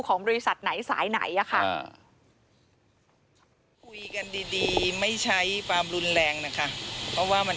ของบริษัทไหนสายไหน